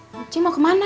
mbak belu mau kemana